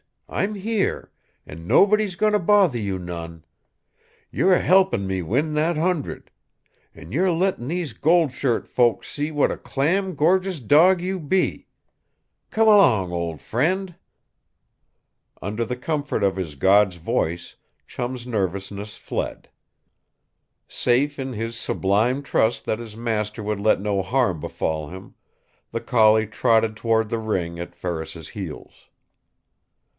I'm here. An' nobody's goin' to bother you none. You're a helpin' me win that hundred. An' you're lettin' these gold shirt folks see what a clam' gorgeous dawg you be! Come along, ol' friend!" Under the comfort of his god's voice, Chum's nervousness fled. Safe in his sublime trust that his master would let no harm befall him, the collie trotted toward the ring at Ferris's heels.